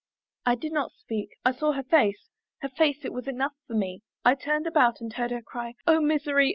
I did not speak I saw her face, Her face it was enough for me; I turned about and heard her cry, "O misery!